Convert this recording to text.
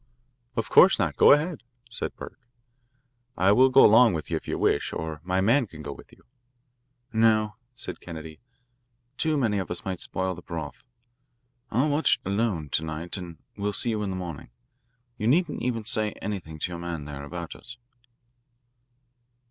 "Of course not. Go ahead," said Burke. "I will go along with you if you wish, or my man can go with you." "No," said Kennedy, "too many of us might spoil the broth. I'll watch alone to night and will see you in the morning. You needn't even say anything to your man there about us."